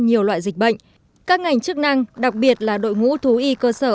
nhiều loại dịch bệnh các ngành chức năng đặc biệt là đội ngũ thú y cơ sở